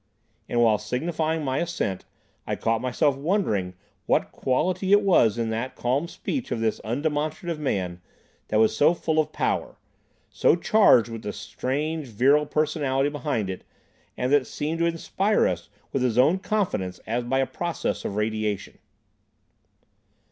And, while signifying my assent, I caught myself wondering what quality it was in the calm speech of this undemonstrative man that was so full of power, so charged with the strange, virile personality behind it and that seemed to inspire us with his own confidence as by a process of radiation.